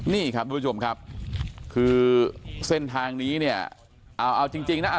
นี่ครับทุกผู้ชมครับคือเส้นทางนี้เนี่ยเอาเอาจริงจริงนะ